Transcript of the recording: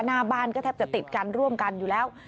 หน้าบ้านก็แทบจะติดกันร่วมกันอยู่แล้ว